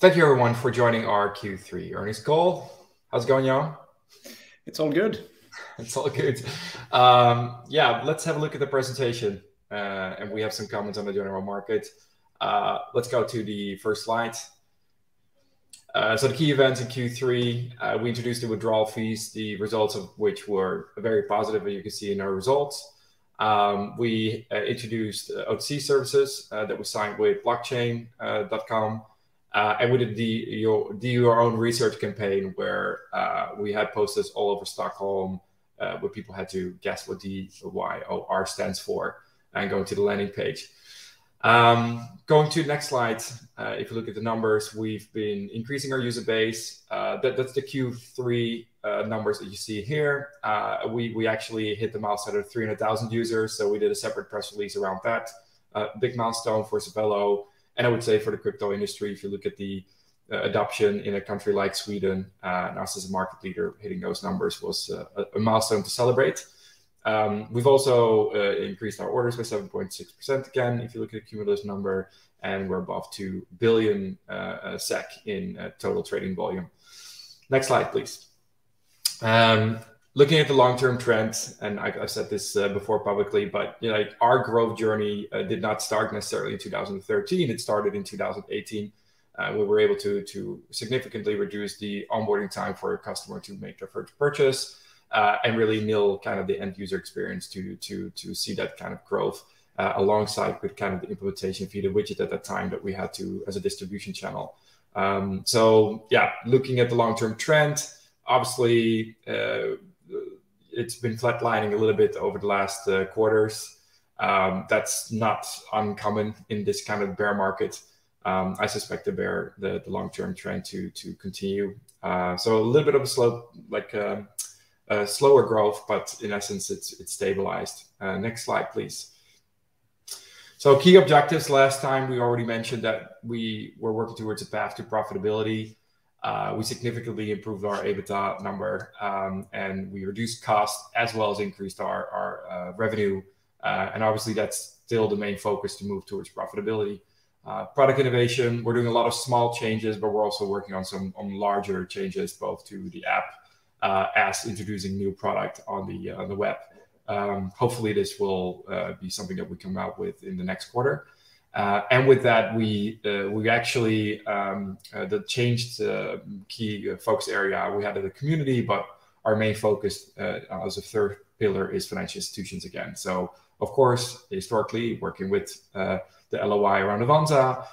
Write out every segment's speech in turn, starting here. Thank you everyone for joining our Q3 earnings call. How's it going, Johan? It's all good. It's all good. Yeah, let's have a look at the presentation, and we have some comments on the general market. Let's go to the first slide. Some key events in Q3. We introduced the withdrawal fees, the results of which were very positive, as you can see in our results. We introduced OTC services that we signed with Blockchain.com. We did the Do Your Own Research campaign, where we had posters all over Stockholm, where people had to guess what the DYOR stands for and go to the landing page. Going to the next slide. If you look at the numbers, we've been increasing our user base. That's the Q3 numbers that you see here. We actually hit the milestone of 300,000 users. We did a separate press release around that. A big milestone for Safello, and I would say for the crypto industry, if you look at the adoption in a country like Sweden, and us as a market leader, hitting those numbers was a milestone to celebrate. We've also increased our orders by 7.6% again, if you look at the cumulative number. We're above 2 billion SEK in total trading volume. Next slide, please. Looking at the long-term trends, I've said this before publicly. You know, our growth journey did not start necessarily in 2013. It started in 2018. We were able to significantly reduce the onboarding time for a customer to make their first purchase and really build kind of the end user experience to see that kind of growth alongside with kind of the implementation of Safello Widget at that time that we had to as a distribution channel. Yeah, looking at the long-term trend, obviously, it's been flatlining a little bit over the last quarters. That's not uncommon in this kind of bear market. I suspect the long-term trend to continue. A little bit of a, like, slower growth, but in essence, it's stabilized. Next slide, please. Key objectives. Last time, we already mentioned that we were working towards a path to profitability. We significantly improved our EBITDA number, and we reduced costs as well as increased our revenue. Obviously that's still the main focus to move towards profitability. Product innovation, we're doing a lot of small changes, but we're also working on larger changes both to the app, as introducing new product on the web. Hopefully this will be something that we come out with in the next quarter. With that, we actually, the change to key focus area, we had the community, but our main focus as a third pillar is financial institutions again. Of course, historically working with the LOI around Avanza,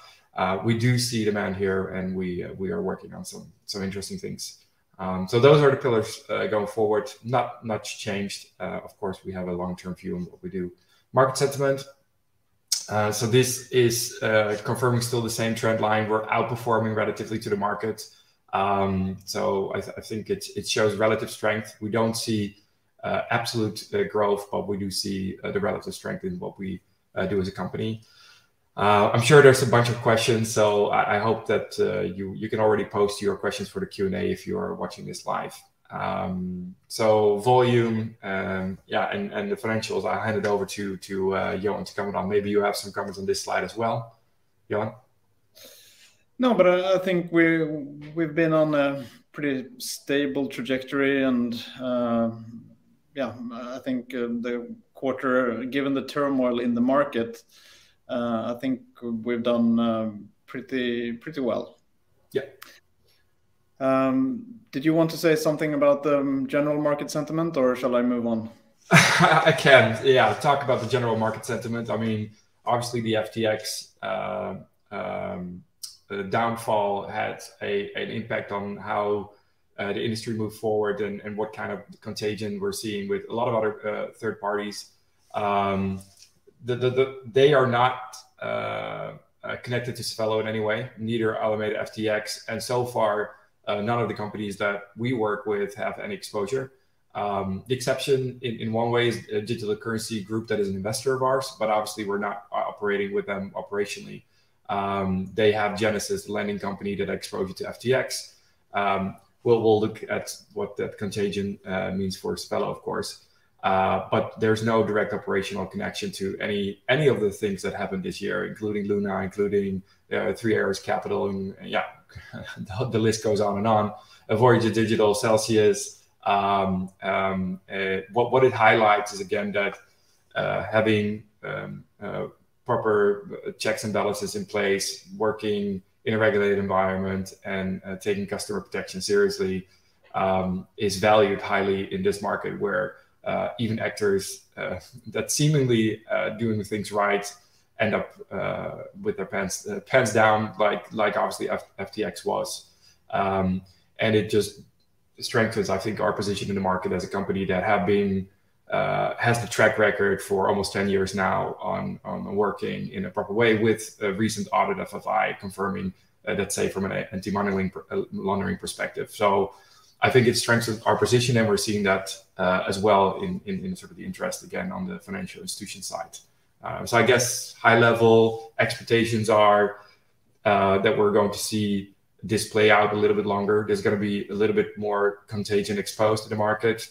we do see demand here and we are working on some interesting things. Those are the pillars going forward. Not much changed. Of course, we have a long-term view on what we do. Market sentiment. This is confirming still the same trend line. We're outperforming relatively to the market. I think it shows relative strength. We don't see absolute growth, but we do see the relative strength in what we do as a company. I'm sure there's a bunch of questions, so I hope that you can already post your questions for the Q&A if you are watching this live. Volume, yeah, and the financials, I'll hand it over to Johan to comment on. Maybe you have some comments on this slide as well. Johan? No, I think we've been on a pretty stable trajectory. Yeah, I think the quarter, given the turmoil in the market, I think we've done pretty well. Yeah. Did you want to say something about the general market sentiment, or shall I move on? I can, yeah, talk about the general market sentiment. I mean, obviously the FTX downfall had an impact on how the industry moved forward and what kind of contagion we're seeing with a lot of other third parties. They are not connected to Safello in any way, neither Alameda or FTX, and so far, none of the companies that we work with have any exposure. The exception in one way is Digital Currency Group that is an investor of ours, but obviously we're not operating with them operationally. They have Genesis lending company that had exposure to FTX. We'll look at what that contagion means for Safello of course. There's no direct operational connection to any of the things that happened this year, including Luna, including Three Arrows Capital, and yeah, the list goes on and on. Voyager Digital, Celsius. What it highlights is again that having proper checks and balances in place, working in a regulated environment and taking customer protection seriously is valued highly in this market where even actors that seemingly doing things right end up with their pants down, like obviously FTX was. It just strengthens, I think, our position in the market as a company that has the track record for almost 10 years now on working in a proper way with a recent audit FI confirming, let's say from an anti-money laundering perspective. I think it strengthens our position, and we're seeing that as well in sort of the interest again on the financial institution side. I guess high-level expectations are that we're going to see this play out a little bit longer. There's gonna be a little bit more contagion exposed to the market.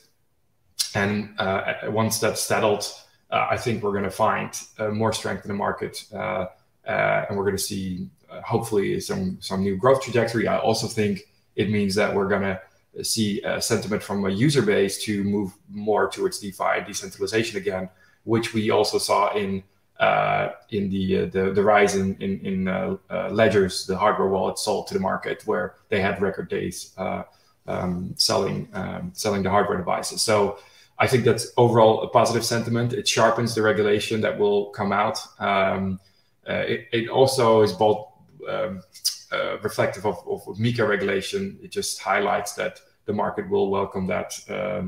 Once that's settled, I think we're gonna find more strength in the market, and we're gonna see hopefully some new growth trajectory. I also think it means that we're gonna see a sentiment from a user base to move more towards DeFi, decentralization again, which we also saw in the rise in Ledgers, the hardware wallets sold to the market where they had record days selling the hardware devices. I think that's overall a positive sentiment. It sharpens the regulation that will come out. It also is both reflective of MiCA regulation. It just highlights that the market will welcome that, at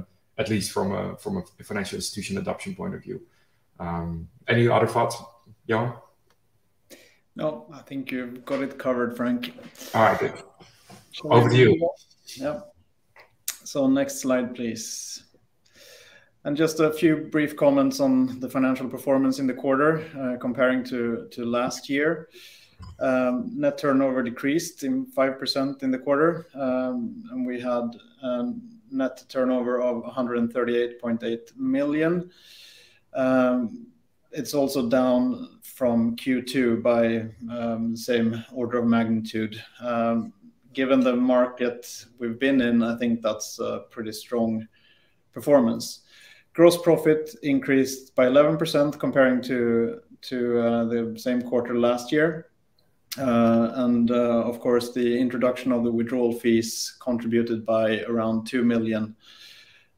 least from a financial institution adoption point of view. Any other thoughts, Johan? No, I think you've got it covered, Frank. All right. Good. Over to you. Yep. Next slide, please. Just a few brief comments on the financial performance in the quarter, comparing to last year. Net turnover decreased in 5% in the quarter, and we had net turnover of 138.8 million. It's also down from Q2 by the same order of magnitude. Given the market we've been in, I think that's a pretty strong performance. Gross profit increased by 11% comparing to the same quarter last year. Of course, the introduction of the withdrawal fees contributed by around 2 million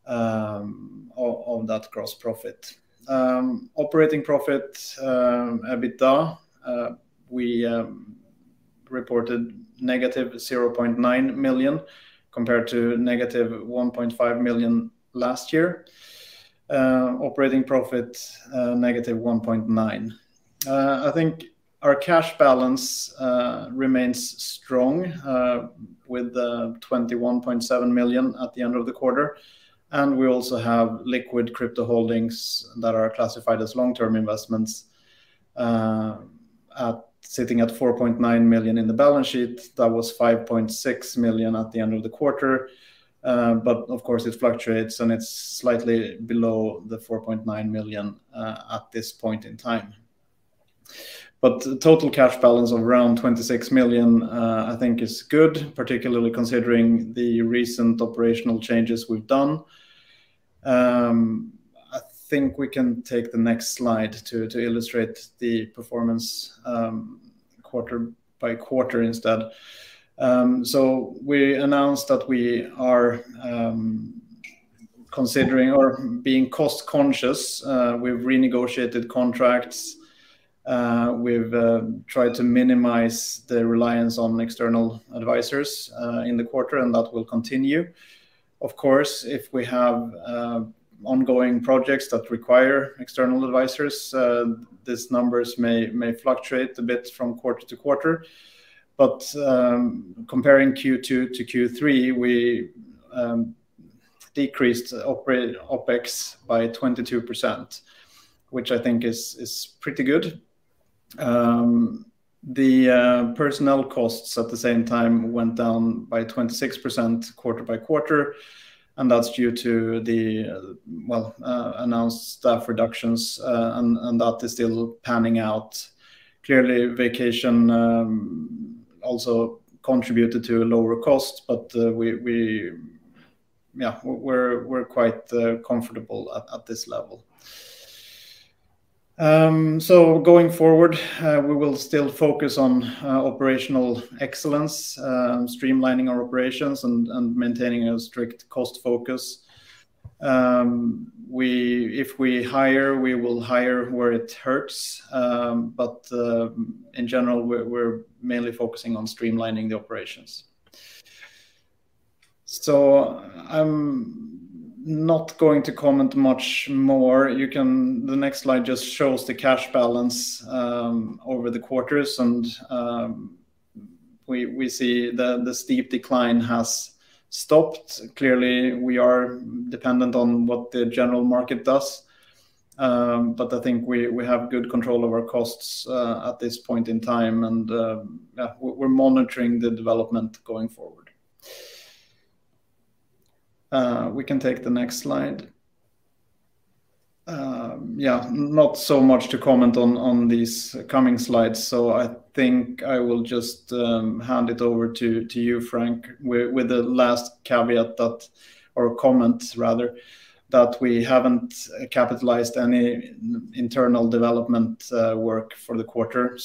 of that gross profit. Operating profit, EBITDA, we reported negative 0.9 million compared to negative 1.5 million last year. Operating profit, negative 1.9. I think our cash balance remains strong with 21.7 million at the end of the quarter. We also have liquid crypto holdings that are classified as long-term investments sitting at 4.9 million in the balance sheet. That was 5.6 million at the end of the quarter. Of course it fluctuates, and it's slightly below the 4.9 million at this point in time. The total cash balance of around 26 million I think is good, particularly considering the recent operational changes we've done. I think we can take the next slide to illustrate the performance quarter-by-quarter instead. We announced that we are considering or being cost-conscious. We've renegotiated contracts. We've tried to minimize the reliance on external advisors in the quarter, and that will continue. Of course, if we have ongoing projects that require external advisors, these numbers may fluctuate a bit from quarter-to-quarter. Comparing Q2 to Q3, we decreased OpEx by 22%, which I think is pretty good. The personnel costs at the same time went down by 26% quarter-by-quarter, and that's due to the well announced staff reductions, and that is still panning out. Clearly, vacation also contributed to a lower cost, but we, yeah, we're quite comfortable at this level. Going forward, we will still focus on operational excellence, streamlining our operations and maintaining a strict cost focus. If we hire, we will hire where it hurts. In general, we're mainly focusing on streamlining the operations. I'm not going to comment much more. The next slide just shows the cash balance over the quarters, and we see the steep decline has stopped. Clearly, we are dependent on what the general market does. I think we have good control of our costs at this point in time, and yeah, we're monitoring the development going forward. We can take the next slide. Yeah, not so much to comment on these coming slides, so I think I will just hand it over to you, Frank, with the last caveat that, or comment rather, that we haven't capitalized any internal development work for the quarter.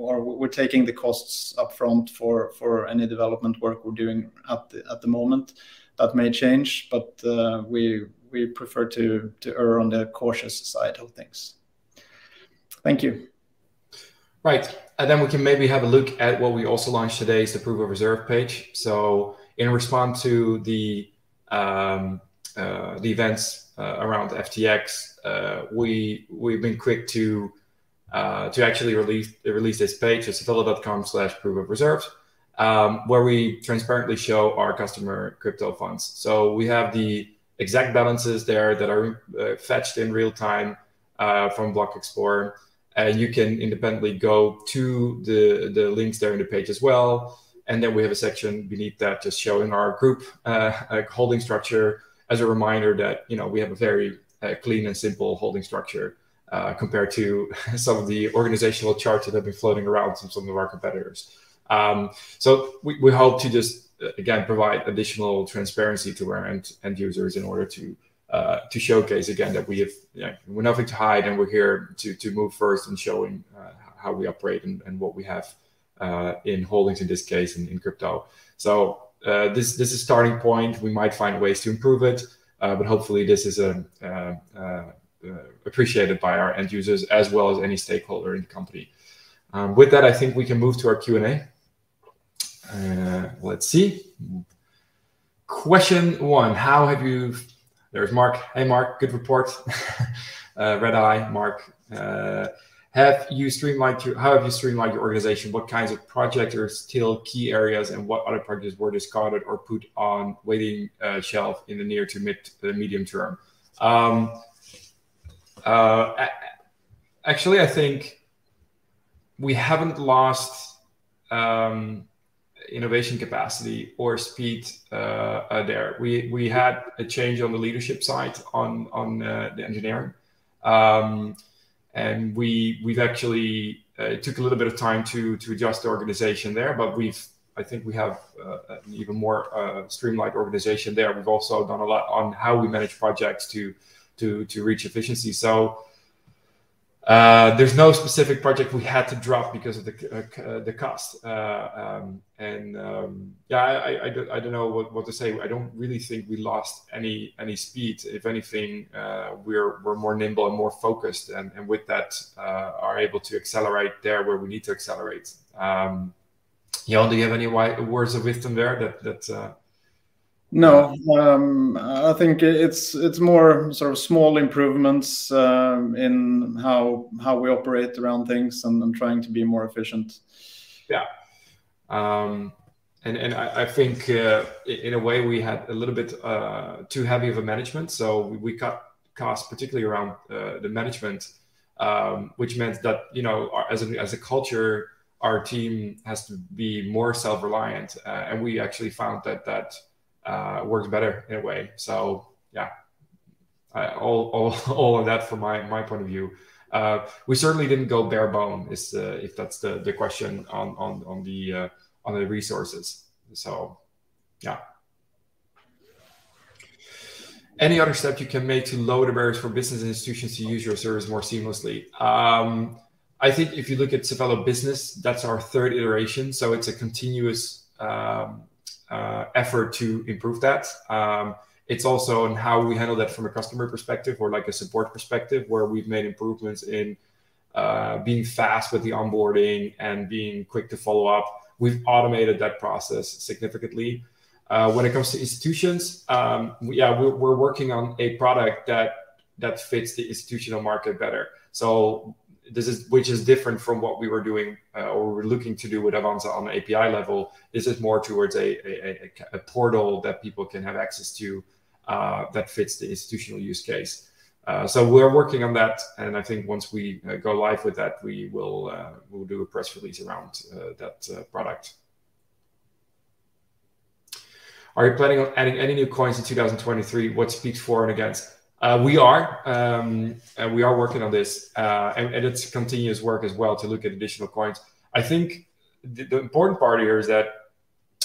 We're taking the costs upfront for any development work we're doing at the moment. That may change, but we prefer to err on the cautious side of things. Thank you. Right. We can maybe have a look at what we also launched today is the Proof of Reserves page. In response to the events around FTX, we've been quick to actually release this page. It's safello.com/proof-of-reserves where we transparently show our customer crypto funds. We have the exact balances there that are fetched in real time from Block Explorer. You can independently go to the links there in the page as well, and then we have a section beneath that just showing our group, like, holding structure as a reminder that, you know, we have a very clean and simple holding structure compared to some of the organizational charts that have been floating around from some of our competitors. We hope to just again provide additional transparency to our end users in order to showcase again that we have, you know, we've nothing to hide, and we're here to move first in showing how we operate and what we have in holdings in this case in crypto. This is starting point. We might find ways to improve it, but hopefully this is appreciated by our end users as well as any stakeholder in the company. With that, I think we can move to our Q&A. Let's see. Question one. There's Mark. Hey, Mark. Good report. Redeye Mark. How have you streamlined your organization? What kinds of project are still key areas, and what other projects were discarded or put on waiting shelf in the near to medium term? Actually, I think we haven't lost innovation capacity or speed there. We had a change on the leadership side on the engineering. It took a little bit of time to adjust the organization there. I think we have an even more streamlined organization there. We've also done a lot on how we manage projects to reach efficiency. There's no specific project we had to drop because of the cost. Yeah, I don't know what to say. I don't really think we lost any speed. If anything, we're more nimble and more focused and with that are able to accelerate there where we need to accelerate. Johan, do you have any words of wisdom there? No. I think it's more sort of small improvements in how we operate around things and trying to be more efficient. Yeah. I think in a way we had a little bit too heavy of a management, so we cut costs particularly around the management, which meant that, you know, as a culture, our team has to be more self-reliant. We actually found that that works better in a way. Yeah. All of that from my point of view. We certainly didn't go bare bone is if that's the question on the resources. Yeah. Any other step you can make to lower the barriers for business institutions to use your service more seamlessly? I think if you look at Safello Business, that's our third iteration, so it's a continuous effort to improve that. It's also in how we handle that from a customer perspective or, like, a support perspective, where we've made improvements in being fast with the onboarding and being quick to follow up. We've automated that process significantly. When it comes to institutions, yeah, we're working on a product that fits the institutional market better. This is which is different from what we were doing or we're looking to do with Avanza on API level. This is more towards a portal that people can have access to that fits the institutional use case. We're working on that, and I think once we go live with that, we will do a press release around that product. Are you planning on adding any new coins in 2023? What speaks for and against? We are working on this, and it's continuous work as well to look at additional coins. I think the important part here is that,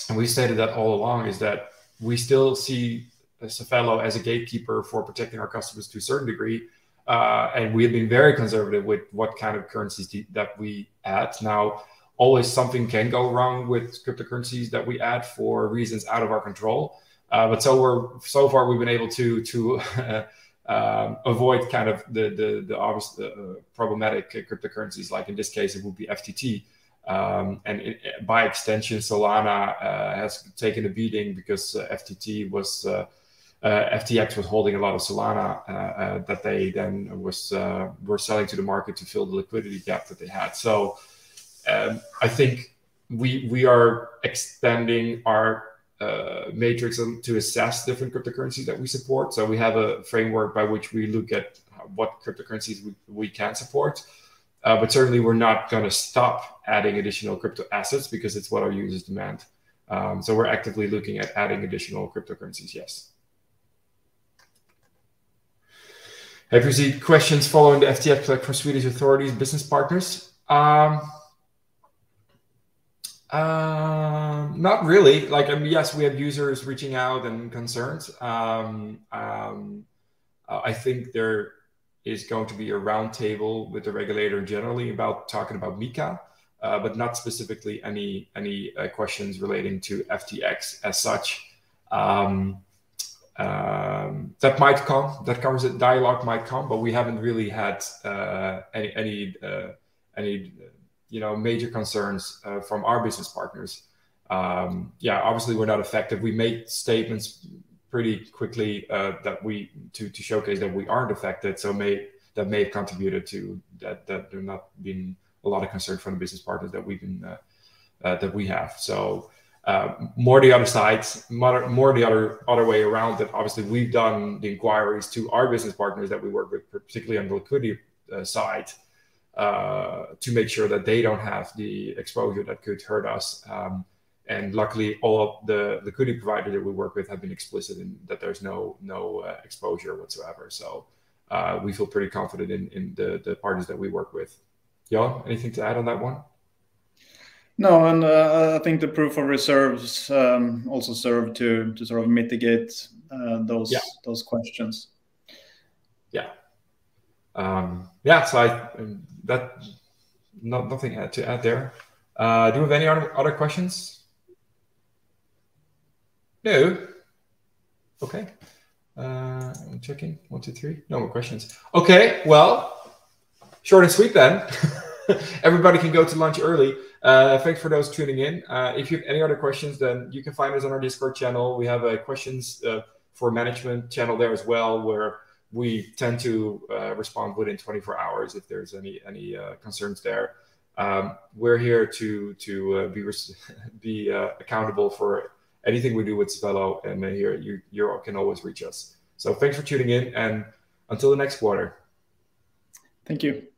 and we said that all along, is that we still see Safello as a gatekeeper for protecting our customers to a certain degree. We have been very conservative with what kind of currencies that we add. Now, always something can go wrong with cryptocurrencies that we add for reasons out of our control. So far we've been able to avoid kind of the obvious, the problematic cryptocurrencies. Like, in this case, it would be FTT, and by extension Solana has taken a beating because FTX was holding a lot of Solana that they then were selling to the market to fill the liquidity gap that they had. I think we are extending our matrix to assess different cryptocurrencies that we support, so we have a framework by which we look at what cryptocurrencies we can support. Certainly we're not gonna stop adding additional crypto assets, because it's what our users demand. We're actively looking at adding additional cryptocurrencies, yes. Have you received questions following the FTX collapse from Swedish authorities and business partners? Not really. Like, I mean, yes, we have users reaching out and concerns. I think there is going to be a roundtable with the regulator generally about talking about MiCA, but not specifically any questions relating to FTX as such. That might come. Dialogue might come, but we haven't really had any, you know, major concerns from our business partners. Yeah, obviously we're not affected. We made statements pretty quickly to showcase that we aren't affected. That may have contributed to that there've not been a lot of concern from the business partners that we have. More the other way around that obviously we've done the inquiries to our business partners that we work with particularly on the liquidity side to make sure that they don't have the exposure that could hurt us. Luckily all of the liquidity provider that we work with have been explicit in that there's no exposure whatsoever. We feel pretty confident in the partners that we work with. Johan, anything to add on that one? No, I think the Proof of Reserves also served to sort of mitigate those. Yeah Those questions. Yeah. Nothing to add there. Do you have any other questions? No? Okay. I'm checking. One, two, three. No more questions. Okay, well, short and sweet then. Everybody can go to lunch early. Thanks for those tuning in. If you've any other questions, then you can find us on our Discord channel. We have a questions for management channel there as well, where we tend to respond within 24 hours if there's any concerns there. We're here to be accountable for anything we do with Safello, and you can always reach us. Thanks for tuning in, and until the next quarter. Thank you.